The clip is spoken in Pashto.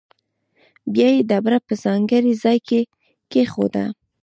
بیا یې ډبره په ځانګړي ځاې کې کېښوده.